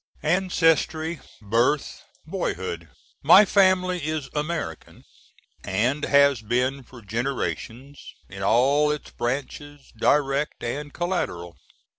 ANCESTRY BIRTH BOYHOOD. My family is American, and has been for generations, in all its branches, direct and collateral.